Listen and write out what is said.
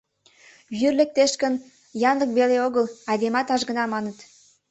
Вӱр лектеш гын, янлык веле огыл — айдемат ажгына, маныт.